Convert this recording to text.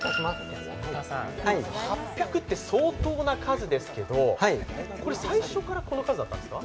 ８００って相当な数ですけど、最初からこの数だったんですか？